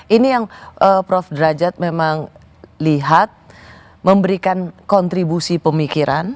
ini yang prof derajat memang lihat memberikan kontribusi pemikiran